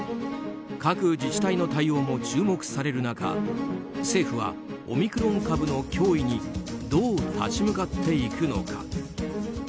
各自治体の対応も注目される中政府はオミクロン株の脅威にどう立ち向かっていくのか。